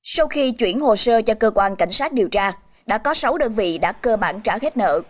sau khi chuyển hồ sơ cho cơ quan cảnh sát điều tra đã có sáu đơn vị đã cơ bản trả hết nợ